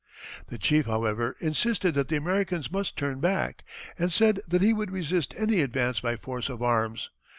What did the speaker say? The chief, however, insisted that the Americans must turn back, and said that he would resist any advance by force of arms.